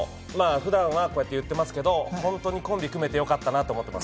普段はこうやって言ってますけど本当にコンビ組めてよかったなと思ってます。